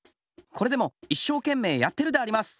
これでもいっしょうけんめいやってるであります。